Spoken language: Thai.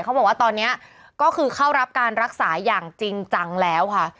เขาบอกว่าตอนนี้ก็คือเข้ารับการรักษาอย่างจริงจังแล้วค่ะ